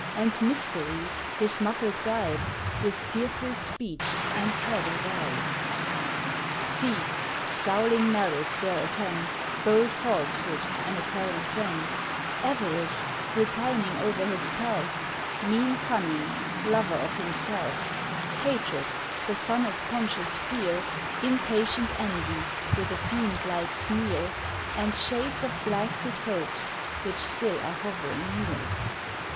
And Mystery, his muffled guide, With fearful speech, and head awry. See! scowling Malice there attend, Bold Falsehood, an apparent friend; Avarice, repining o'er his pelf, Mean Cunning, lover of himself; Hatred, the son of conscious Fear, Impatient Envy, with a fiend like sneer, And shades of blasted Hopes, which still are hovering near!